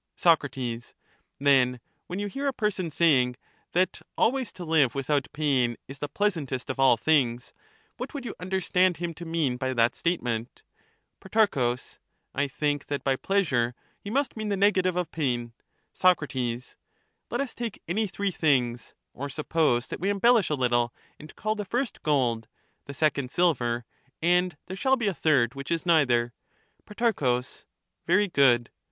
Soc, Then when you hear a person saying, that always to live without pain is the pleasantest of all things, what would you understand him to mean by that statement ? Pro. I think that by pleasure he must mean the negative of pain. Soc, Let us take any three things; or suppose that we embellish a little and call the first gold, the second silver, and there shall be a third which is neither. Pro, Very good.